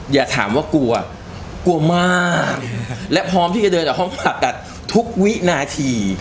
อย่าถามว่ากลัวกลัวมากและพร้อมที่จะเดินออกห้องผ่าตัดทุกวินาที